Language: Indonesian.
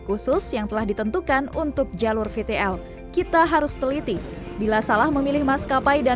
khusus yang telah ditentukan untuk jalur vtl kita harus teliti bila salah memilih maskapai dan